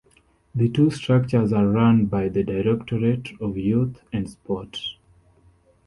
The two structures are run by the Directorate of Youth and Sport.